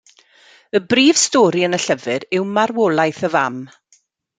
Y brif stori yn y llyfr yw marwolaeth y fam.